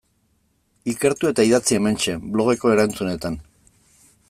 Ikertu eta idatzi hementxe, blogeko erantzunetan.